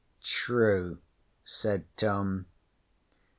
'True,' said Tom.